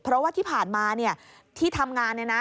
เพราะว่าที่ผ่านมาที่ทำงานเนี่ยนะ